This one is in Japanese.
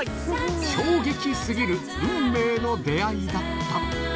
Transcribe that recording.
衝撃すぎる運命の出会いだった。